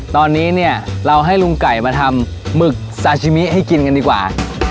ตอนนี้เนี่ยเราให้ลุงไก่มาทำหมึกซาชิมิให้กินกันดีกว่า